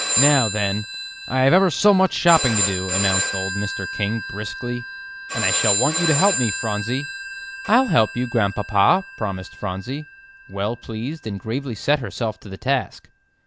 "Now, then, I have ever so much shopping to do," announced old Mr. King, briskly, "and I shall want you to help me, Phronsie." "I'll help you, Grandpapa," promised Phronsie, well pleased, and gravely set herself to the task.